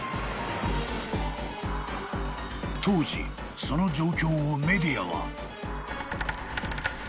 ［当時その状況をメディアは］